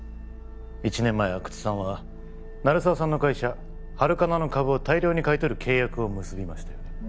１年前阿久津さんは鳴沢さんの会社ハルカナの株を大量に買い取る契約を結びましたよね